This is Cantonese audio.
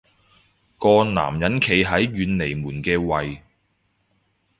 個男人企喺遠離門嘅位